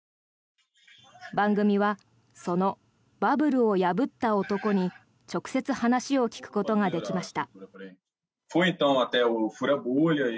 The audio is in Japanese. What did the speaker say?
番組は、そのバブルを破った男に直接話を聞くことができました。